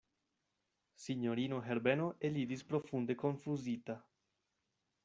Sinjorino Herbeno eliris profunde konfuzita.